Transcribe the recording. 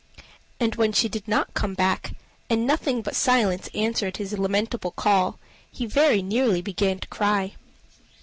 And when she did not come back, and nothing but silence answered his lamentable call, he very nearly began to cry.